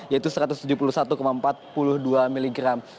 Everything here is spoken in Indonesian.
yaitu satu ratus tujuh puluh satu empat puluh dua miligram